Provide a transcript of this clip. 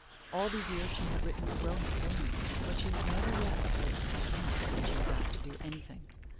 All these years she had written for grown ups only. But she had never yet said ''I can't" when she was asked to do anything.